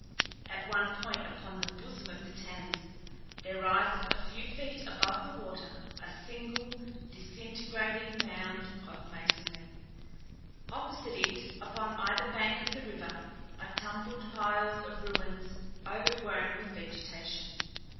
At one point upon the bosom of the Thames there rises a few feet above the water a single, disintegrating mound of masonry. Opposite it, upon either bank of the river, are tumbled piles of ruins overgrown with vegetation.